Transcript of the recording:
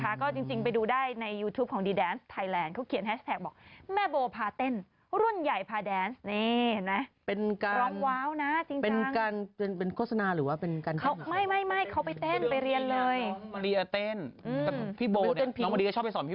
และก็ไม่แนะนำแล้วอะไรอันนี้